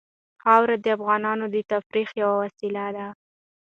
خاوره د افغانانو د تفریح یوه وسیله ده.